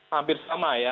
hampir sama ya